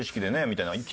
みたいな。